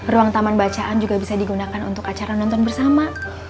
ruang taman bacaan juga bisa digunakan untuk acara nonton bersama